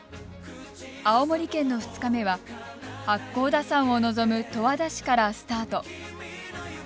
青森県の２日目は八甲田山を望む十和田市からスタート。